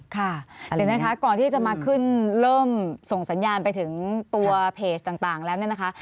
ค่ะเดี๋ยวนะคะก่อนที่จะมาขึ้นเริ่มส่งสัญญาณไปถึงตัวเพจต่างแล้วเนี่ยนะคะ